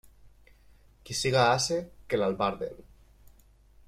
Qui siga ase, que l'albarden.